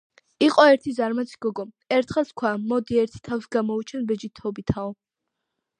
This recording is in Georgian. იყო ერთი ზარმაცი გიგო. ერთხელ თქვა: მოდი, ერთი თავს გამოვიჩენ ბეჯითობითაო.